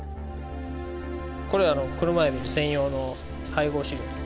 これ、クルマエビの専用の配合飼料です。